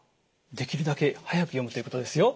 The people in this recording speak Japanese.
できるだけ速く読むということですよ。